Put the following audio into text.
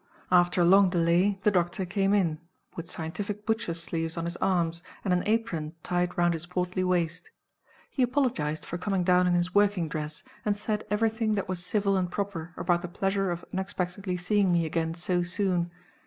After a long delay the doctor came in, with scientific butchers' sleeves on his arms, and an apron tied round his portly waist. He apologized for coming down in his working dress, and said everything that was civil and proper about the pleasure of unexpectedly seeing me again so soon.